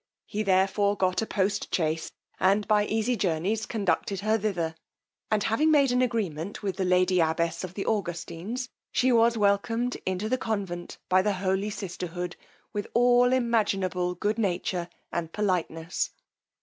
He therefore got a post chaise, and by easy journeys conducted her thither; and having made an agreement with the lady abbess of the Augustines, she was welcomed into the convent by the holy sisterhood with all imaginable good nature and politeness.